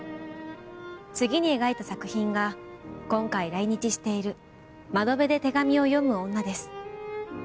次に描いた作品が今回来日している『窓辺で手紙を読む女』です。